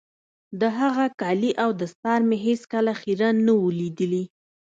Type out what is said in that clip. د هغه کالي او دستار مې هېڅ کله خيرن نه وو ليدلي.